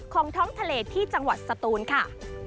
ท้องทะเลที่จังหวัดสตูนค่ะ